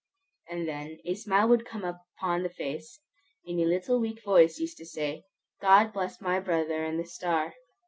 and then a smile would come upon the face, and a little weak voice used to say, "God bless my brother and the star!"